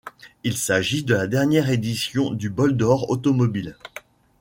Il s'agit de la dernière édition du Bol d'or automobile.